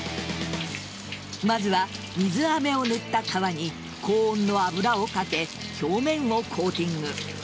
まずは水あめを塗った皮に高温の油をかけ表面をコーティング。